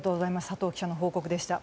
佐藤記者の報告でした。